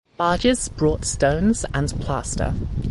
Barges brought stones and plaster.